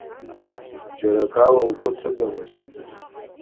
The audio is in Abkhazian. Џьара акала лгәы ҭыгамызт.